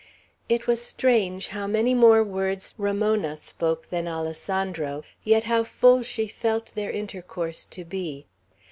It was strange how many more words Ramona spoke than Alessandro, yet how full she felt their intercourse to be.